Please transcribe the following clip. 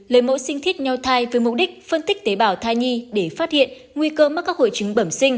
lấy mẫu sinh thích nhau thai với mục đích phân tích tế bào thai nhi để phát hiện nguy cơ mắc các hội chứng bẩm sinh